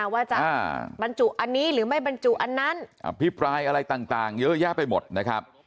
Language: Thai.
ว่าจะบรรจุอันนี้หรือไม่บรรจุอันนั้นอภิปรายอะไรต่างเยอะแยะไปหมดนะครับ